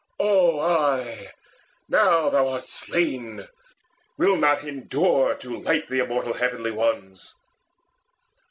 Oh, I, Now thou art slain, will not endure to light The Immortal Heavenly Ones!